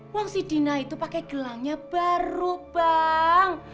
uang si dina itu pake gelangnya baru bang